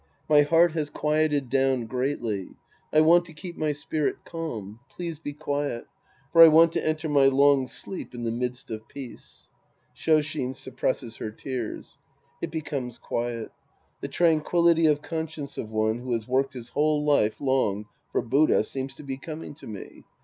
My heart has quieted down greatly. I want to keep my spirit calm. Please be quiet. For I want to enter my long sleep in the midst of peace. (ShSshin sup presses her tears. It becomes quiet.) The tranquillity of conscience of one who has worked his whole life long for Buddha seems to be coming to me.